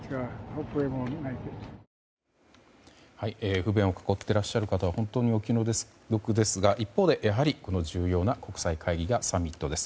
不便を囲っていらっしゃる方は本当にお気の毒ですが一方で、やはり重要な国際会議がサミットです。